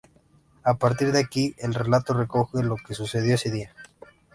A partir de aquí el relato recoge lo que sucedió ese día.